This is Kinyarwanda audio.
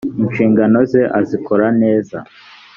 inshingano ze azikora neza.